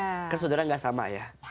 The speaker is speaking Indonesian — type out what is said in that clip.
karena saudara gak sama ya